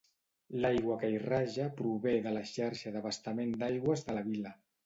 L'aigua que hi raja prové de la xarxa d'abastament d'aigües de la vila.